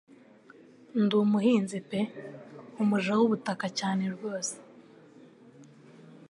Ndi umuhinzi pe umuja wubutaka cyane rwose